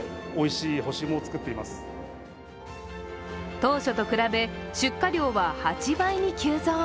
当初と比べ出荷量は８倍に急増。